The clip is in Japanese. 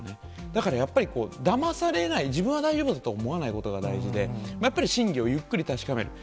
だからやっぱりだまされない、自分は大丈夫と思わないことが大事で、やっぱり真偽をゆっくり確かめる。